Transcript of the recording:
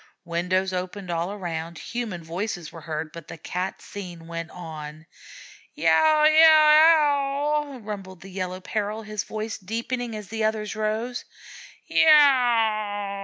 Windows opened all around, human voices were heard, but the Cat scene went on. "Yow yow ow!" rumbled the Yellow Peril, his voice deepening as the other's rose. "Yow!"